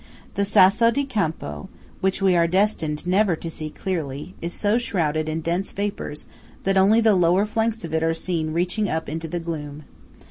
The Sasso di Campo, which we are destined never to see clearly, is so shrouded in dense vapours that only the lower flanks of it are seen reaching up into the gloom.